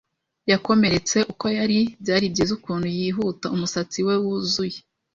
Yakomeretse uko yari, byari byiza ukuntu yihuta, umusatsi we wuzuye